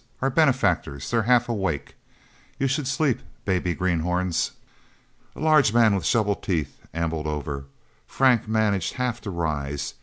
Our benefactors they're half awake! You should shleep, baby greenhorns...!" A large man with shovel teeth ambled over. Frank managed half to rise.